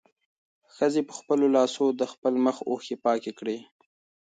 ښځې په خپلو لاسو د خپل مخ اوښکې پاکې کړې.